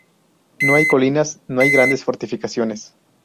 No hay colinas, no hay grandes fortificaciones.